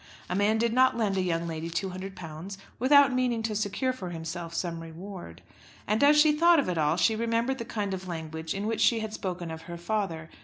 A man did not lend a young lady £200 without meaning to secure for himself some reward. And as she thought of it all she remembered the kind of language in which she had spoken of her father.